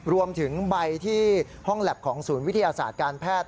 รวมถึงใบที่ห้องแล็บของศูนย์วิทยาศาสตร์การแพทย์